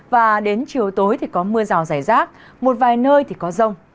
và đến chiều tối có mưa rào giải rác một vài nơi có rông